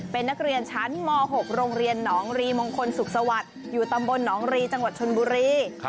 เป็นนักเรียนชั้นม๖โรงเรียนหนองรีมงคลสุขสวัสดิ์อยู่ตำบลหนองรีจังหวัดชนบุรี